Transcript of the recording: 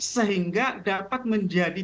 sehingga dapat menjadi